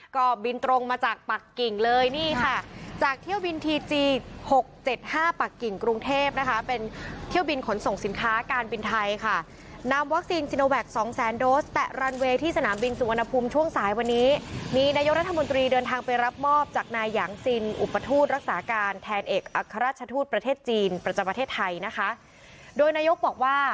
ก็บินตรงมาจากปากกิ่งเลยนี่ค่ะจากเที่ยวบินทีจีหกเจ็ดห้าปากกิ่งกรุงเทพนะคะ